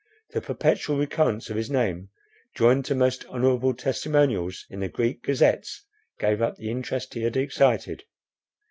The perpetual recurrence of his name, joined to most honourable testimonials, in the Greek gazettes, kept up the interest he had excited.